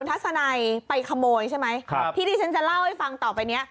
ทัศนัยไปขโมยใช่ไหมครับที่ที่ฉันจะเล่าให้ฟังต่อไปเนี้ย